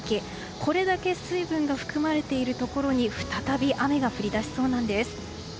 これだけ水分が含まれているところに再び雨が降り出しそうなんです。